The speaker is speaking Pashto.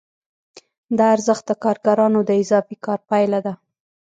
دا ارزښت د کارګرانو د اضافي کار پایله ده